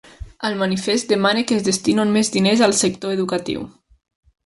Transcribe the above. El manifest demana que es destinin més diners al sector educatiu.